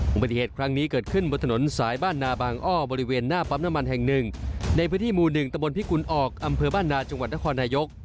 อุบัติเหตุครั้งนี้เกิดขึ้นบนถนนสายบ้านนาบางอ้อบริเวณหน้าปั๊มน้ำมันแห่งหนึ่งในพื้นที่หมู่๑ตะบนพิกุลออกอำเภอบ้านนาจังหวัดนครนายก